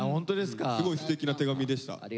すごいすてきな手紙でした。